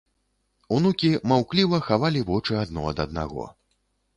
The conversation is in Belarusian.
Унукі маўкліва хавалі вочы адно ад аднаго.